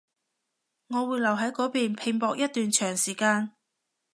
我會留喺嗰邊拼搏一段長時間